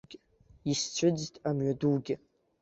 Исцәыӡт амҩадугьы.